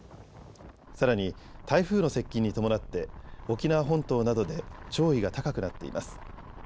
さらに台風の接近に伴って沖縄本島などで潮位が高くなっています。